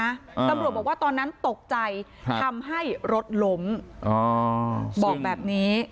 ตำรวจบอกว่าตอนนั้นตกใจครับทำให้รถล้มอ๋อบอกแบบนี้